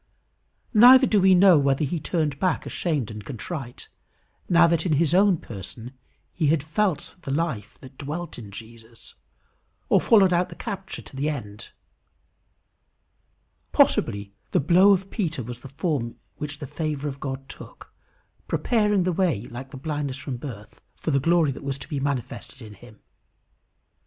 Neither do we know whether he turned back ashamed and contrite, now that in his own person he had felt the life that dwelt in Jesus, or followed out the capture to the end. Possibly the blow of Peter was the form which the favour of God took, preparing the way, like the blindness from the birth, for the glory that was to be manifested in him.